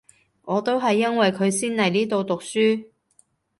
我都係因為佢先嚟呢度讀書